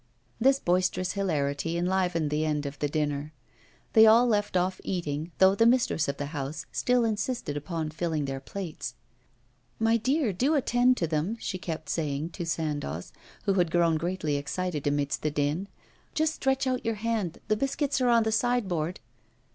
This boisterous hilarity enlivened the end of the dinner. They all left off eating, though the mistress of the house still insisted upon filling their plates. 'My dear, do attend to them,' she kept saying to Sandoz, who had grown greatly excited amidst the din. 'Just stretch out your hand; the biscuits are on the side board.